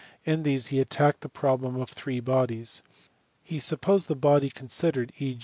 In these he attacked the problem of three bodies : he supposed the body considered, e.